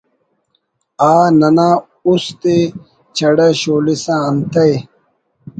آ ننا اُست ءِ چڑہ شولسہ انتئے